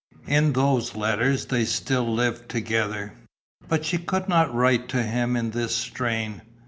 In those letters they still lived together. But she could not write to him in this strain.